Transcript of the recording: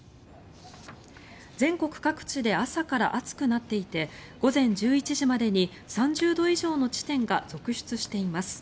全国各地で朝から暑くなっていて午前１１時までに３０度以上の地点が続出しています。